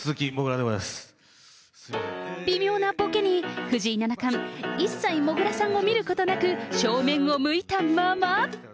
微妙なボケに、藤井七冠、一切もぐらさんを見ることなく、正面を向いたまま。